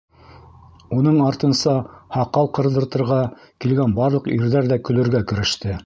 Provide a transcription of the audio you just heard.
Уның артынса һаҡал ҡырҙыртырға килгән барлыҡ ирҙәр ҙә көлөргә кереште.